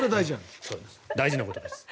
大事なことです。